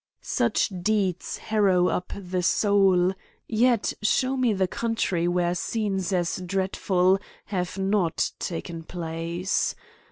Such deeds harrow up the soul— yet shew me 190 A COMMENT A.11Y ON the country, where scenes as dreadful have not taken place